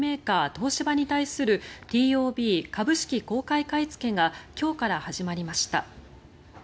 東芝に対するＴＯＢ・株式公開買いつけが今日から始まりました。